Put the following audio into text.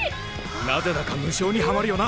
なぜだか無性にハマるよな！